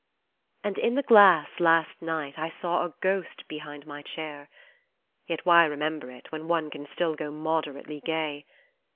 And in the glass, last night, I saw a ghost behind my chair Yet why remember it, when one can still go moderately gay